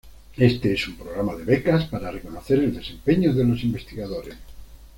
Éste es un programa de becas para reconocer el desempeño de los investigadores.